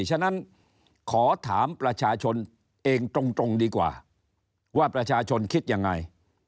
ฉะนั้นขอถามประชาชนเองตรงดีกว่าว่าประชาชนคิดยังไง